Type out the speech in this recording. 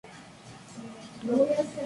Especialista en la lengua occitana.